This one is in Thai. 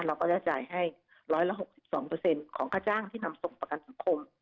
เราก็จะจ่ายให้๑๖๒ของค่าจ้างที่นำส่งประกันสังคม